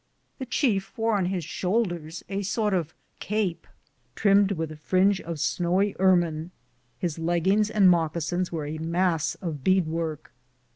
The chief wore on his shoulders a sort of cape, trimmed with a fringe of snowy ermine ; his leggings and moccasins were a mass of bead work.